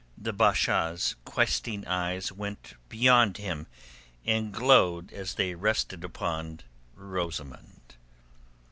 The Basha's questing eyes went beyond him and glowed as they rested upon Rosamund.